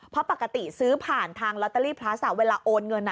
เพราะปกติซื้อผ่านทางลอตเตอรี่พลัสเวลาโอนเงิน